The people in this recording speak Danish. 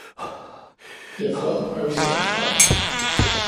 Jeg vred mig jo selv fra dem